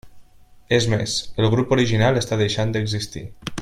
És més, el grup original està deixant d'existir.